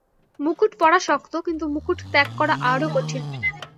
মুকুট পরা শক্ত, কিন্তু মুকুট ত্যাগ করা আরও কঠিন।